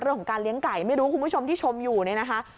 เรื่องของการเลี้ยงไก่ไม่รู้คุณผู้ชมที่ชมอยู่เนี่ยนะคะ